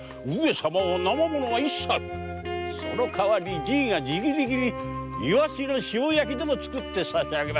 その代わりじいが直々にイワシの塩焼きでも作ってさしあげます。